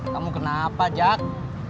kamu kenapa jack